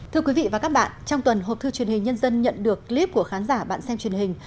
thưa quý vị và các bạn trong tuần hộp thư truyền hình nhân dân nhận được clip của khán giả bạn xem truyền hình